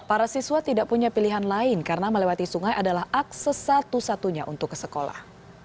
para siswa tidak punya pilihan lain karena melewati sungai adalah akses satu satunya untuk ke sekolah